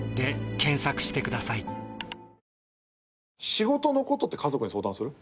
仕事のことって家族に相談する？